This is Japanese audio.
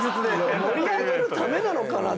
盛り上げるためなのかなっていう。